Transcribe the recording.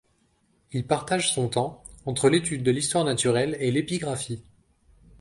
Il partage son temps entre l’étude de l’histoire naturelle et l’épigraphie.